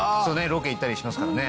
ロケ行ったりしますからね。